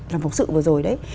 làm phòng sự vừa rồi đấy